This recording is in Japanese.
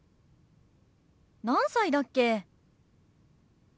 何歳だっけ？